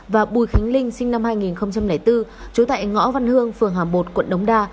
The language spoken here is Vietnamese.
và bùi khánh linh sinh năm hai nghìn bốn trú tại ngõ văn hương phường hàm một quận đống đa